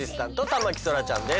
田牧そらちゃんです。